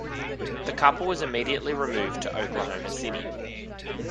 The couple was immediately removed to Oklahoma City.